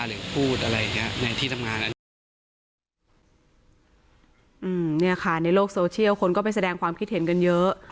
อืมนี่ค่ะในโลกโซเชียลคนก็ไปแสดงความคิดเห็นกันเยอะ